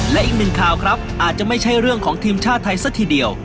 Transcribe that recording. และอีกหนึ่งข่าวครับอาจจะไม่ใช่เรื่องของทีมชาติไทยซะทีเดียว